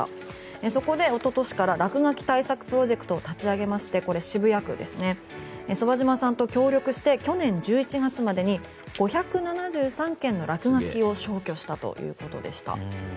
そこでおととしから落書き対策プロジェクトを立ち上げまして傍嶋さんと協力して去年１１月までに５７３件の落書きを消去したということでした。